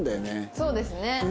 そうですね。